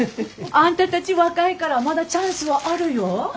あんたたち若いからまだチャンスはあるよぅ。